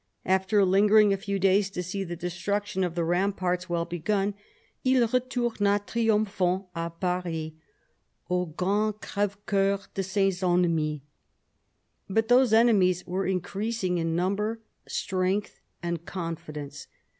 After lingering a few days to see the destruction of the ramparts well begun, " il retourna triomphant a Paris, au grand crfeve coeur de ses ennemis." But those enemies were increasing in number, strength, and confidence.